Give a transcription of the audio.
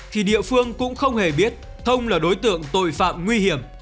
thì địa phương cũng không hề biết thông là đối tượng tội phạm nguy hiểm